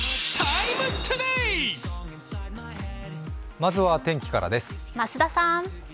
まずは天気からです。